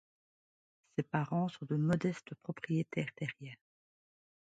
Ses parents sont de modestes propriétaires terriens.